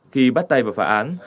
khi bắt tay vào phả án